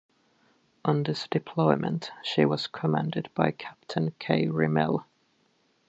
On this deployment, she was commanded by Captain K Rimell.